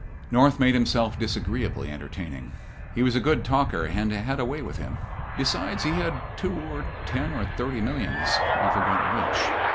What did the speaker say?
North made himself disagreeably entertaining. He was a good talker, and had a way with him. Besides, he had two, ten, or thirty millions, I've forgotten which.